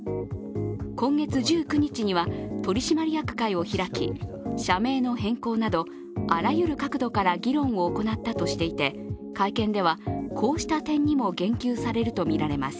今月１９日には取締役会を開き、社名の変更など、あらゆる角度から議論を行ったとしていて、会見ではこうした点にも言及されるとみられます。